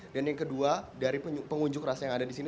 dan yang kedua dari pengunjuk rasa yang ada di sini